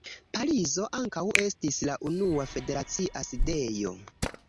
Parizo ankaŭ estis la unua federacia sidejo.